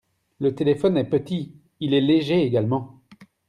Le téléphone est petit, il est léger également.